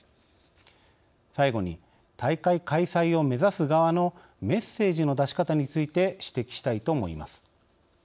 最後に、大会開催を目指す側のメッセージの出し方について指摘したいと思います。